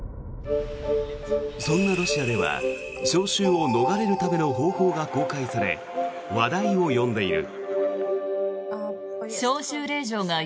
そんなロシアでは招集を逃れるための方法が公開され話題を呼んでいる。